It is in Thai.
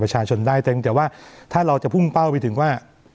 ประชาชนได้เพียงแต่ว่าถ้าเราจะพุ่งเป้าไปถึงว่า